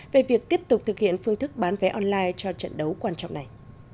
về việc tiếp tục thực hiện phương thức bán vé online cho trận đấu quan trọng này